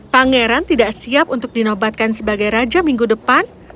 pangeran tidak siap untuk dinobatkan sebagai raja minggu depan